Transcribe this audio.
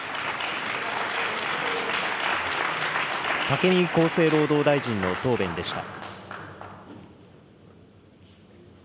武見厚生労働大臣の答弁でした。